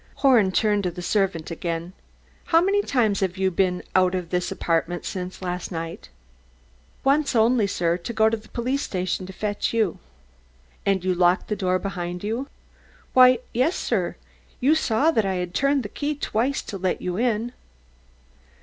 Horn turned to the servant again. "How many times have you been out of the apartment since last night?" "Once only, sir, to go to the police station to fetch you." "And you locked the door behind you?" "Why, yes, sir. You saw that I had to turn the key twice to let you in."